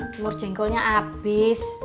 semur jengkolnya abis